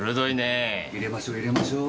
淹れましょ淹れましょう。